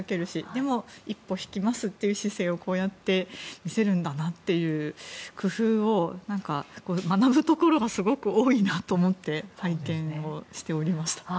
でも一歩引きますという姿勢をこうやって見せるんだなっていう工夫を学ぶところがすごく多いなと思って拝見していました。